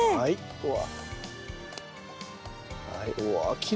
うわ！